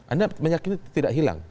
anda meyakini tidak hilang